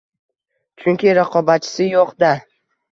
Chunki... raqobatchisi yo‘q-da.